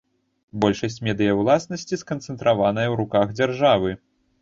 Большасць медыяўласнасці сканцэнтраваная ў руках дзяржавы.